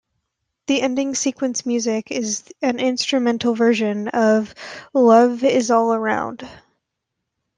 The ending sequence music is an instrumental version of "Love is All Around".